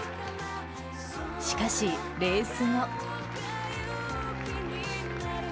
しかし、レース後。